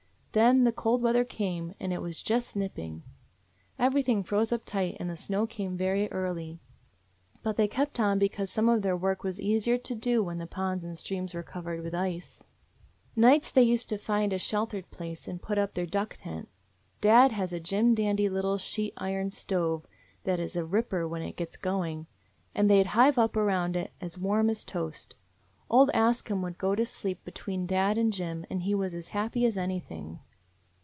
Then the cold weather came, and it was just nipping. Everything froze up tight, and the snow came very early. But they kept on, because some of their work was easier to do when the ponds and streams were covered with ice. 204 AN INDIAN DOG "Nights they used to find a sheltered place and put up their duck tent. Dad has a jim dandy little sheet iron stove that is a ripper when it gets going, and they 'd hive up around it as warm as toast. Old Ask Him would go to sleep between dad and Jim and he was as happy as anything.